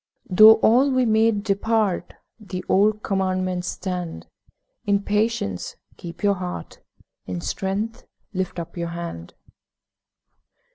Though all we made depart, The old Commandments stand; 'In patience keep your heart, In strength lift up your hand.'